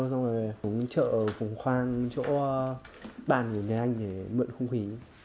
xong rồi chúng trợ ở phùng khoang chỗ bàn của nhà anh để mượn không khí